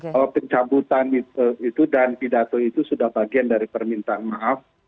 kalau pencabutan itu dan pidato itu sudah bagian dari permintaan maaf